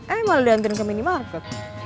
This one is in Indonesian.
emang lo udah anterin ke minimarket